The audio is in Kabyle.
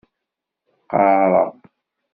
Qqaṛeɣ.